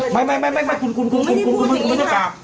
ไม่คุณไม่ต้องกลับ